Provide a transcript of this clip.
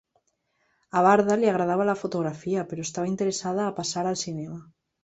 A Varda li agradava la fotografia, però estava interessada a passar al cinema.